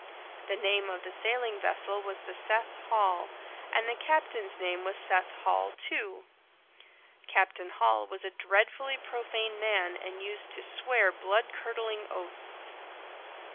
The name of the sailing vessel was the Seth Hall, and the captain's name was Seth Hall, too. Captain Hall was a dreadfully profane man and used to swear blood curdling oaths.